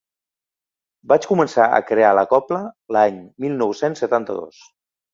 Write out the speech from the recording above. Vaig començar a crear La cobla l’any mil nou-cents setanta-dos.